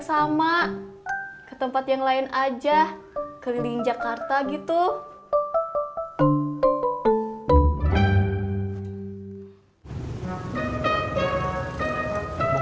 sama ke tempat yang lain aja keliling jakarta gitu kemana lu mau ke rumah ani jag gue meminta maaf